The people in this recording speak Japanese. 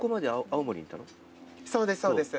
そうですそうです。